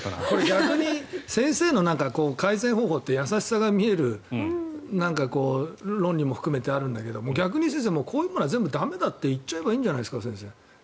逆に先生の改善方法って優しさが見える論理も含めてあるんだけど逆に先生、こういうものは全部駄目だって言っちゃえばいいんじゃないの？